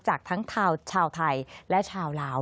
จากทั้งชาวไทยและชาวลาว